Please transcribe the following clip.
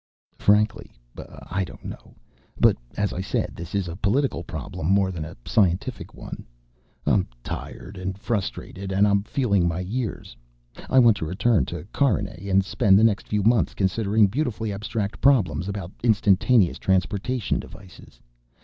"Frankly, I don't know. But, as I said, this is a political problem more than a scientific one. I'm tired and frustrated and I'm feeling my years. I want to return to Carinae and spend the next few months considering beautifully abstract problems about instantaneous transportation devices.